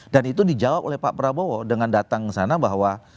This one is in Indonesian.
dan itu dijawab oleh pak prabowo dengan datang ke sana bahwa